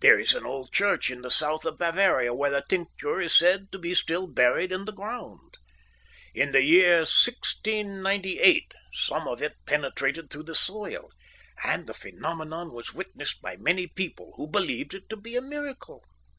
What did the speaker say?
There is an old church in the south of Bavaria where the tincture is said to be still buried in the ground. In the year 1698 some of it penetrated through the soil, and the phenomenon was witnessed by many people, who believed it to be a miracle.